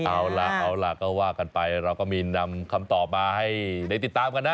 เอาล่ะเอาล่ะก็ว่ากันไปเราก็มีนำคำตอบมาให้ได้ติดตามกันนะ